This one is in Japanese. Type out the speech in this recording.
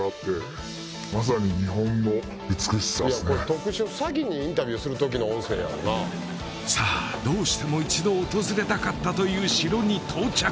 特殊詐欺にインタビューする時の音声やろなさあどうしても一度訪れたかったという城に到着